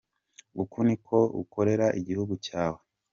Uku ni nako ukorera igihugu cyawe.